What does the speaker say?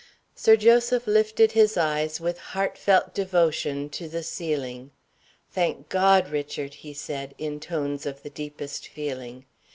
Sir Joseph lifted his eyes, with heartfelt devotion, to the ceiling. "Thank God, Richard!" he said, in tones of the deepest feeling.